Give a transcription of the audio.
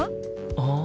ああ。